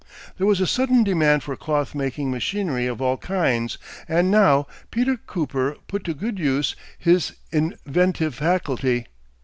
There was a sudden demand for cloth making machinery of all kinds, and now Peter Cooper put to good use his inventive faculty.